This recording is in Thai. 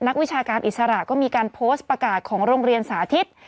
วิชาการอิสระก็มีการโพสต์ประกาศของโรงเรียนสาธิต